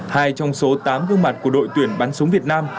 hai trong số tám gương mặt của đội tuyển bắn súng việt nam